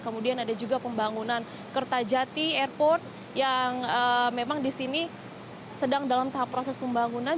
kemudian ada juga pembangunan kertajati airport yang memang di sini sedang dalam tahap proses pembangunan